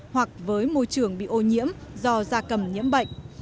hoặc với môi trường bị ô nhiễm do da cầm nhiễm bệnh